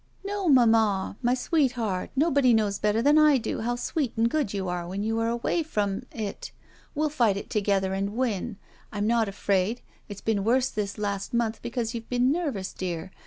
No, mamma. Why, sweetheart, nobody knows better than I do how sweet and good you are when you are away from — ^it. We'll fight it together and win! I'm not afraid. It's been worse this last month because you've been nervous, dear.